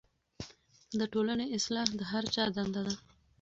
د ټولنې اصلاح د هر چا دنده ده.